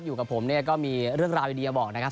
อยู่กับผมเนี่ยก็มีเรื่องราวดีมาบอกนะครับ